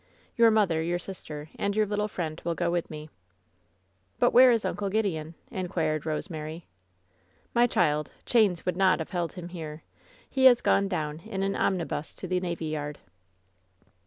Your mother, your sister, and your little friend will go with me." "But where is TJncle Gideon?" inquired Rosemary. "My child, chains would not have held him here. He has gone down in an omnibus to the navy yard."